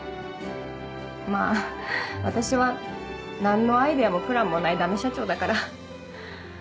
まぁ私は何のアイデアもプランもないダメ社長だから。